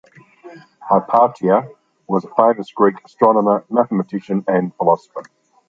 Hypatia was a famous Greek astronomer, mathematician, and philosopher.